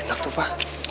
enak tuh pa